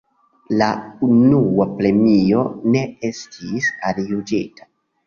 La unua premio ne estis aljuĝita.